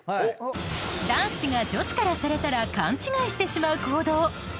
［男子が女子からされたら勘違いしてしまう行動］